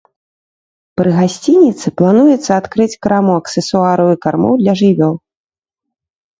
Пры гасцініцы плануецца адкрыць краму аксесуараў і кармоў для жывёл.